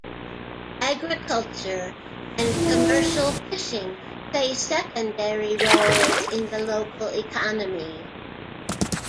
Agriculture and commercial fishing play secondary roles in the local economy.